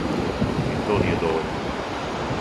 Ни то није довољно.